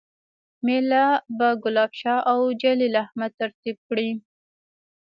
میله به ګلاب شاه اوجلیل احمد ترتیب کړي